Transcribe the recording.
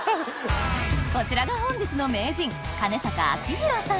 こちらが本日の名人！